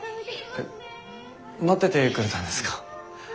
待っててくれたんですか？